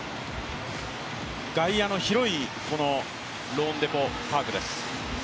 外野の広いローンデポ・パークです